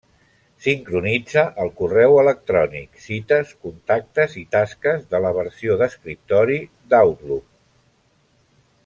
Sincronitza el correu electrònic, cites, contactes i tasques de la versió d'escriptori d'Outlook.